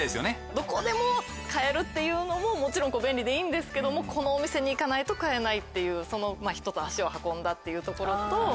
どこでも買えるっていうのももちろん便利でいいんですけどもこのお店に行かないと買えないっていうひとつ足を運んだっていうところと。